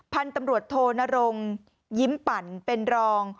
พันธุ์ตำรวจโทนรงยิ้มปั่นเป็นรอง